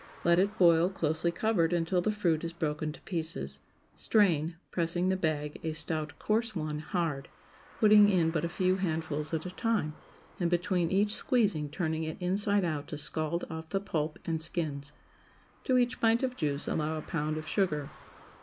Let it boil, closely covered, until the fruit is broken to pieces; strain, pressing the bag (a stout coarse one) hard, putting in but a few handfuls at a time, and between each squeezing turning it inside out to scald off the pulp and skins. To each pint of juice allow a pound of sugar.